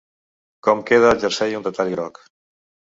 Com queda al jersei un detall groc.